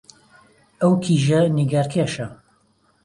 ئەو کیژە نیگارکێشە